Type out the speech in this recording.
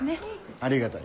ありがたい。